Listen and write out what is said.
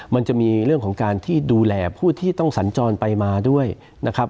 มันจะมีเรื่องของการที่ดูแลผู้ที่ต้องสัญจรไปมาด้วยนะครับ